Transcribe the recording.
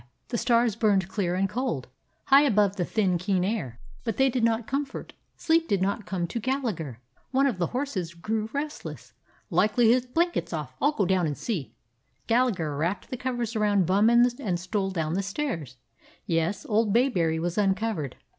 The stars burned clear and cold, high above the thin, keen air, but they did not comfort; sleep did not come to Gallagher. One of the horses grew restless. "Likely his blanket 's off ; I 'll go down and see." Galla gher wrapped the covers around Bum and stole down the stairs. Yes, old Bayberry was uncovered.